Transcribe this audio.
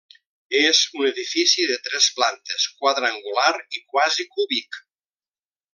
És un edifici de tres plantes, quadrangular i quasi cúbic.